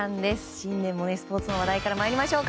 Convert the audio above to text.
新年もスポーツの話題から参りましょうか。